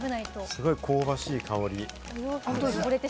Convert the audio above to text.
すごい香ばしい香り。